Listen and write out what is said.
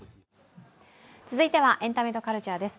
続いてはエンタメとカルチャーです。